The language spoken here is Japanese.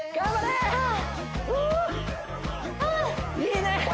いいね